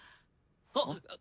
あっ。